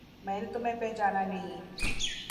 میں نے تمہیں پہچانا نہیں